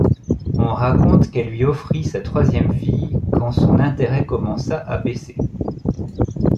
On raconte qu'elle lui offrit sa troisième fille quand son intérêt commença à baisser.